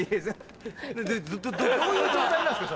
どういう状態なんすか？